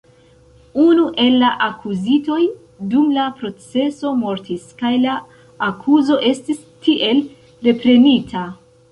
Unu el la akuzitoj dum la proceso mortis, kaj la akuzo estis tiel reprenita.